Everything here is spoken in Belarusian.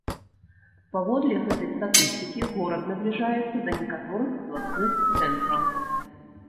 Паводле гэтай статыстыкі горад набліжаецца да некаторых абласных цэнтраў.